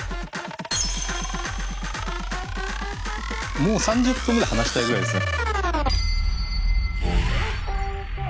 もう３０分ぐらい話したいぐらいですね。